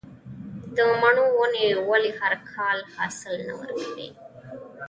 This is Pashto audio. د مڼو ونې ولې هر کال حاصل نه ورکوي؟